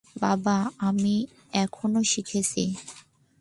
বাবা, আমি এখনও শিখছি।